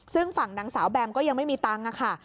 ซึ่งฝั่งนางสาวแบมก็ยังไม่มีตังค์ค่ะ